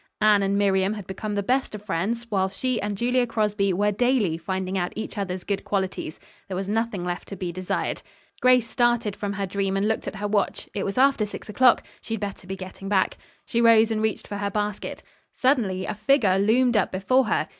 Anne and Miriam had become the best of friends, while she and Julia Crosby were daily finding out each other's good qualities There was nothing left to be desired. Grace started from her dream and looked at her watch. It was after six o'clock. She had better be getting back. She rose and reached for her basket. Suddenly a figure loomed up before her.